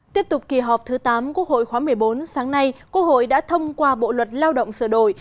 tiếp tục kỳ họp thứ tám quốc hội khóa một mươi bốn sáng nay quốc hội đã thông qua bộ luật lao động sửa đổi